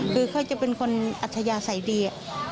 คือเขาจะเป็นคนอัธยาศัยดี